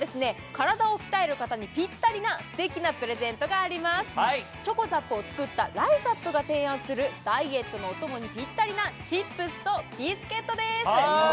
体を鍛える方にぴったりなすてきなプレゼントがありますｃｈｏｃｏＺＡＰを作ったＲＩＺＡＰが提案するダイエットのお供にぴったりなチップスとビスケットです